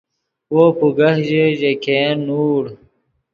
وو پوگہ ژے، ژے ګین نوڑ